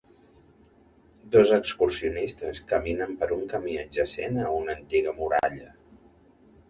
Dos excursionistes caminen per un camí adjacent a una antiga muralla.